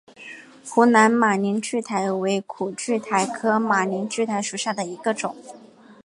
湖南马铃苣苔为苦苣苔科马铃苣苔属下的一个种。